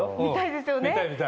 見たいですよね。